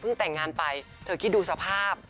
เพิ่งแต่งงานไปเธอกินดูสภาพ